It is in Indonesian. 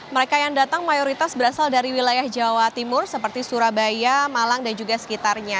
mereka yang datang mayoritas berasal dari wilayah jawa timur seperti surabaya malang dan juga sekitarnya